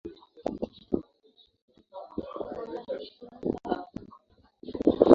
watuhumiwa hao kupanda kizimbani mwezi ujao